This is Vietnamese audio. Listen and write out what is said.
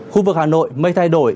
khu vực hà nội mây thay đổi